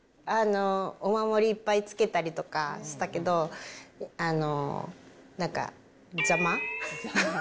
お守りいっぱいつけたりとかしたけど、なんか邪魔？